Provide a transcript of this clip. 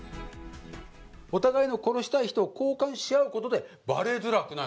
お互いの殺したい人を交換し合うことで、ばれづらくなる。